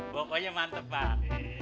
bokoknya mantep bang